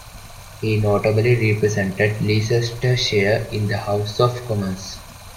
He notably represented Leicestershire in the House of Commons.